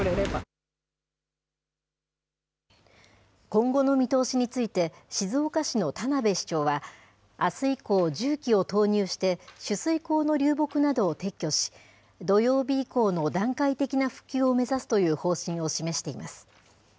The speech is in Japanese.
今後の見通しについて、静岡市の田辺市長は、あす以降、重機を投入して、取水口の流木などを撤去し、土曜日以降の段階的な復旧を目指すという方針を示しています。